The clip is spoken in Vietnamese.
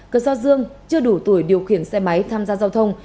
cần so dương chưa đủ tuổi điều khiển xe máy tham gia giao thông